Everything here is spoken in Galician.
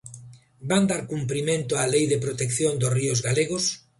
¿Van dar cumprimento á Lei de protección dos ríos galegos?